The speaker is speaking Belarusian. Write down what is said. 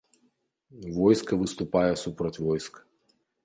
Войска выступае супраць войска.